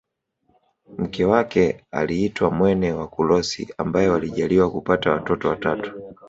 Mke wake aliitwa Mwene Wakulosi ambaye walijaliwa kupata watoto watatu